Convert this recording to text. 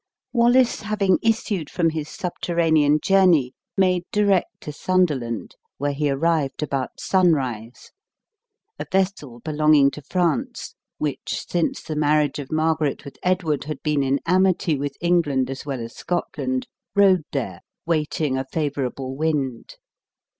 Wallace having issued from his subterranean journey, made direct to Sunderland, where he arrived about sunrise. A vessel belonging to France (which, since the marriage of Margaret with Edward, had been in amity with England as well as Scotland) rode there, waiting a favorable wind.